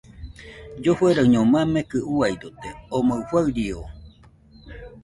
Llofueraɨño mamekɨ uiadote, omɨ farió